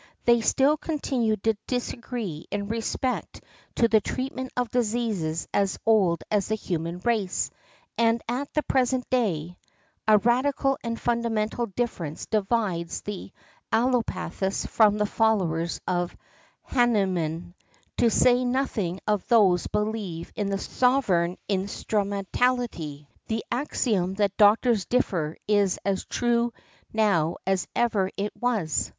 They still continue to disagree in respect to the treatment of diseases as old as the human race; and at the present day a radical and fundamental difference divides the allopathists from the followers of Hahnemann, to say nothing of those who believe in the sovereign instrumentality. The axiom that doctors differ is as true now as ever it was .